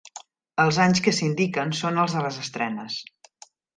Els anys que s'indiquen són els de les estrenes.